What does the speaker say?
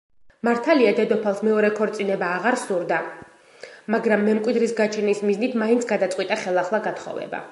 მართალია დედოფალს მეორე ქორწინება აღარ სურდა, მაგრამ მემკვიდრის გაჩენის მიზნით მაინც გადაწყვიტა ხელახლა გათხოვება.